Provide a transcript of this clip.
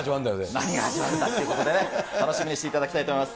何が始まるんだってことで、楽しみにしていただきたいと思います。